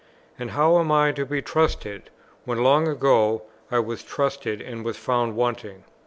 And how am I now to be trusted, when long ago I was trusted, and was found wanting?